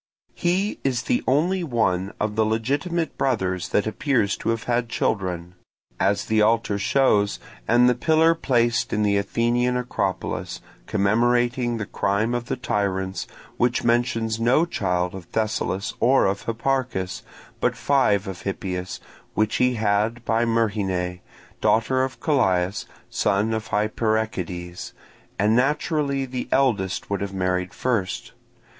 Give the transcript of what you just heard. He is the only one of the legitimate brothers that appears to have had children; as the altar shows, and the pillar placed in the Athenian Acropolis, commemorating the crime of the tyrants, which mentions no child of Thessalus or of Hipparchus, but five of Hippias, which he had by Myrrhine, daughter of Callias, son of Hyperechides; and naturally the eldest would have married first.